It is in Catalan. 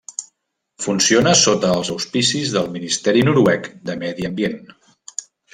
Funciona sota els auspicis del Ministeri noruec de medi ambient.